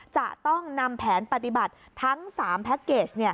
จะต้องนำแผนปฏิบัติทั้ง๓แพ็คเกจ